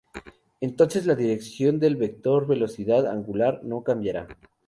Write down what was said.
Entonces la dirección del vector velocidad angular no cambiará.